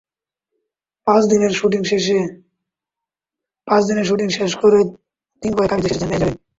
পাঁচ দিনের শুটিং শেষ করে দিন কয়েক আগে দেশে এসেছেন মেহ্জাবীন।